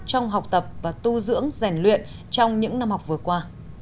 trong học tập và tu dưỡng rèn luyện trong những năm học vừa qua